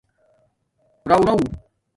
رَرَݹ